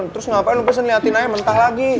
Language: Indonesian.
terus ngapain lo bisa liatin ayah mentah lagi